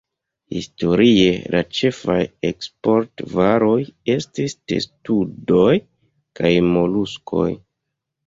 Historie la ĉefaj eksport-varoj estis testudoj kaj moluskoj.